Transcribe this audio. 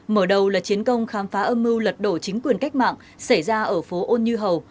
mở đầu là chiến công khám phá âm mưu lật đổ chính quyền cách mạng xảy ra ở phố ôn như hầu